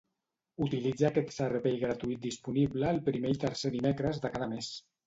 Utilitza aquest servei gratuït disponible el primer i tercer dimecres de cada mes